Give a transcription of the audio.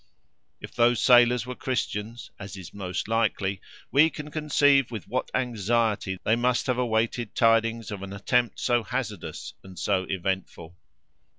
If those sailors were Christians, as is most likely, we can conceive with what anxiety they must have awaited tidings of an attempt so hazardous and so eventful.